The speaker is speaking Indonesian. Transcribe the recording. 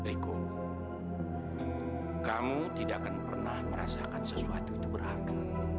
iko kamu tidak akan pernah merasakan sesuatu itu berarti